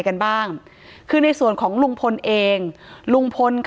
ถ้าใครอยากรู้ว่าลุงพลมีโปรแกรมทำอะไรที่ไหนยังไง